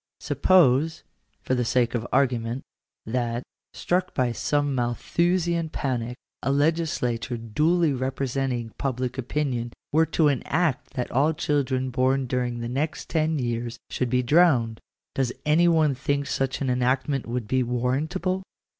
> V Suppose, for the sake of argument, that, struck by some Malthusian panic, a legislature duly representing public opinion were to enact that all children born during the next ten years should be drowned. Does any one think such an enactment would be warrantable